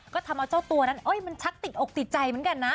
ก็ทำเอาเจ้าตัวนั้นมันชักติดอกติดใจเหมือนกันนะ